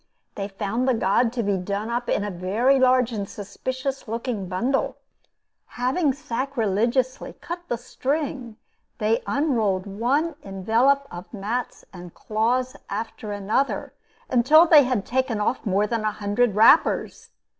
They found the god to be done up in a very large and suspicious looking bundle. Having sacrilegiously cut the string, they unrolled one envelop of mats and cloths after another, until they had taken off more than a hundred wrappers.